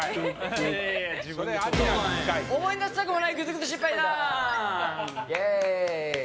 思い出したくもないグズグズ失敗談！